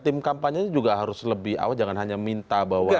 tim kampanye juga harus lebih awal jangan hanya minta bahwa